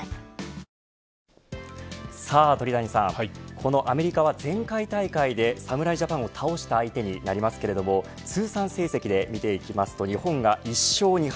このアメリカは前回大会で侍ジャパンを倒した相手になりますけども通算成績で見ていきますと日本が１勝２敗